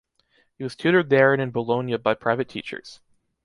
He was tutored there and in Bologna by private teachers.